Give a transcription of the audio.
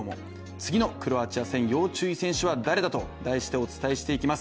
次のクロアチア戦、要注意選手は誰だ？と題してお伝えしていきます。